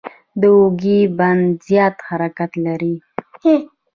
د اوږې بند زیات حرکت لري.